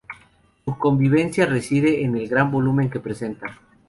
Su conveniencia reside en el gran volumen que presenta.